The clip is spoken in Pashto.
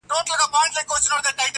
دا ستا په ياد كي بابولاله وايم,